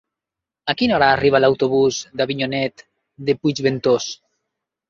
A quina hora arriba l'autobús d'Avinyonet de Puigventós?